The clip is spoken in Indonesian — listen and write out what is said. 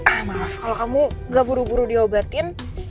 ya maaf kalau kamu gak buru buru diobatin